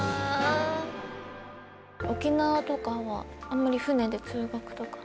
沖縄とかはあんまり船で通学とか。